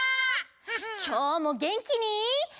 きょうもげんきにスター。